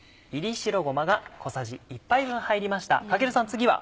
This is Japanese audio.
次は？